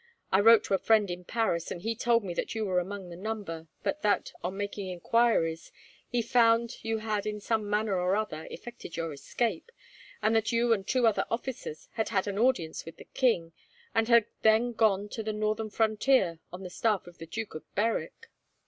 I wrote to a friend in Paris, and he told me that you were among the number, but that, on making enquiries, he found you had, in some manner or other, effected your escape, and that you and two other officers had had an audience with the king, and had then gone to the northern frontier on the staff of the Duke of Berwick.